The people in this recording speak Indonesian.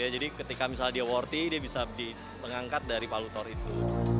jadi ketika misalnya dia worthy dia bisa diangkat dari palu tour itu